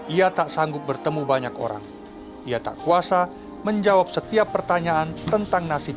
ia tak sanggup bertemu banyak orang ia tak kuasa menjawab setiap pertanyaan tentang nasib